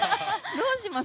どうします？